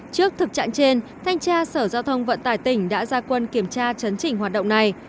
trước thực trạng trên thanh tra sở giao thông vận tải tỉnh đã ra quân kiểm tra chấn chỉnh hoạt động này